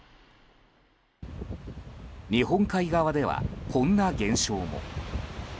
日本海側では、こんな現象も。